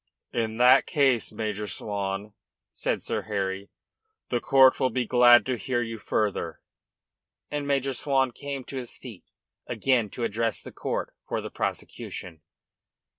"In that case, Major Swan," said Sir Harry, "the court will be glad to hear you further." And Major Swan came to his feet again to address the court for the prosecution.